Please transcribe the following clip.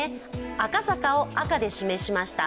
赤坂を赤で示しました。